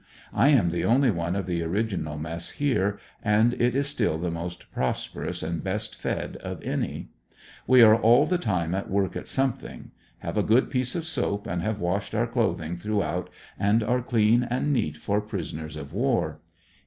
I am the only one of the original mess here, and it is still the most prosperous and best fed of any. We are all the time at work at something. Have a good piece of soap, and have washed our clothing throughout, and are clean and neat for prisoners of war.